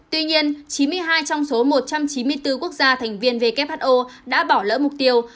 tuy nhiên chín mươi hai trong số một trăm chín mươi bốn quốc gia thành viên who đã bỏ lỡ mục tiêu